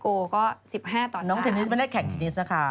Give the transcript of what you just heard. โอก็๑๕ต่อน้องเทนนิสไม่ได้แข่งเทนนิสนะคะ